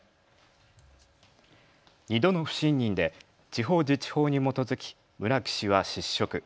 ２度の不信任で地方自治法に基づき村木氏は失職。